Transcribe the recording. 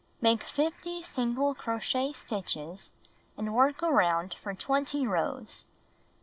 Make 50 single crochet stitches and work around for HOIaT?' 20 rows.